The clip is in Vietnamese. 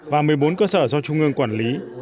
và một mươi bốn cơ sở do trung ương quản lý